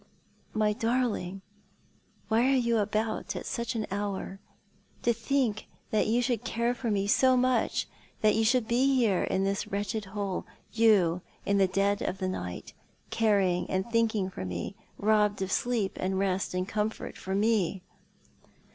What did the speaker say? " My darling, why are you about at such an hour ? To think that you should care for me so much— that you should be here in this wretched hole ; you— in the dead of the night— caring and thinking for me— robbed of sleep and rest and comfort for me."